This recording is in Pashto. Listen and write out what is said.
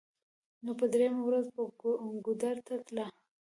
نو په درېمه ورځ به ګودر ته تله.